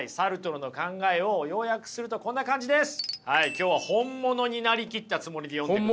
今日は本物に成りきったつもりで読んでくださいよ。